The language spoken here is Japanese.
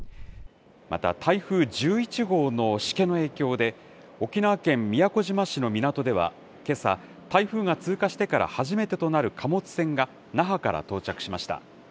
また、台風１１号のしけの影響で、沖縄県宮古島市の港ではけさ、台風が通過してから初めてとなる貨物船が、那覇から到着しました。